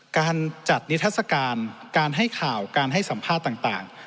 การจัดนิทัศกาลการให้ข่าวการให้สัมภาษณ์ต่าง